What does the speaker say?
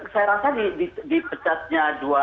saya rasa di pecatnya dua